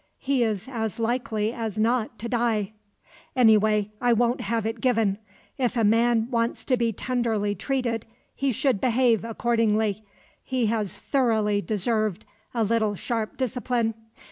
He is as likely as not to die." "Anyway, I won't have it given. If a man wants to be tenderly treated, he should behave accordingly. He has thoroughly deserved a little sharp discipline.